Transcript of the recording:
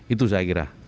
itu saya kira